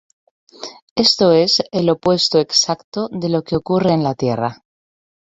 Esto es el opuesto exacto de lo que ocurre en la Tierra.